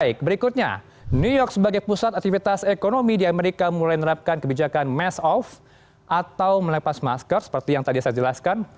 baik berikutnya new york sebagai pusat aktivitas ekonomi di amerika mulai menerapkan kebijakan mass off atau melepas masker seperti yang tadi saya jelaskan